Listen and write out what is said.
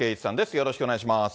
よろしくお願いします。